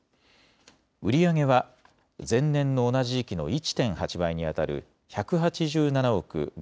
売り上げは前年の同じ時期の１．８倍にあたる１８７億５６００万